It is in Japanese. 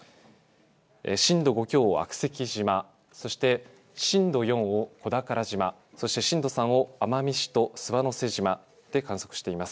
震度５強を悪石島、そして震度４を小宝島、そして震度３を奄美市と諏訪瀬島で観測しています。